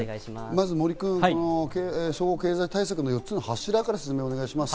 まず森君、総合経済対策の４つの柱からお願いします。